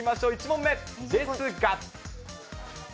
１問目ですが。